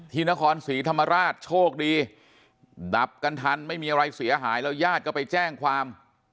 นครศรีธรรมราชโชคดีดับกันทันไม่มีอะไรเสียหายแล้วญาติก็ไปแจ้งความ